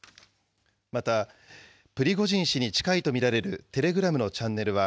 また、プリゴジン氏に近いと見られるテレグラムのチャンネルは、